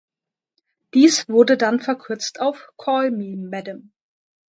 Dies wurde dann verkürzt auf "„Call Me Madam“".